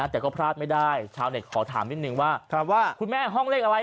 แต่ก็พลาดไม่ได้ชาวเน็ตขอถามนิดนึงว่าคุณแม่ห้องเลขอะไร